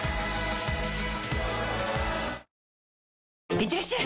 いってらっしゃい！